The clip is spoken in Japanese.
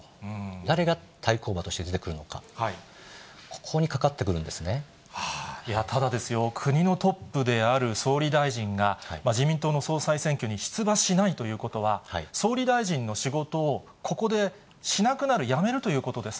誰が対抗馬として出てくるのか、ただですよ、国のトップである総理大臣が、自民党の総裁選挙に出馬しないということは、総理大臣の仕事をここでしなくなる、やめるということです。